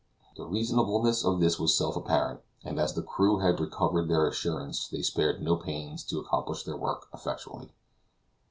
The reasonableness of this was self apparent, and as the crew had recovered their assurance they spared no pains to accomplish their work effectually.